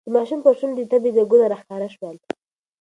د ماشوم پر شونډو د تبې ځگونه راښکاره شول.